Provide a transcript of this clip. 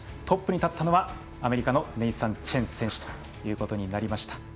トップに立ったのはアメリカのネイサン・チェン選手ということになりました。